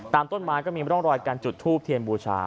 ต้นไม้ก็มีร่องรอยการจุดทูบเทียนบูชา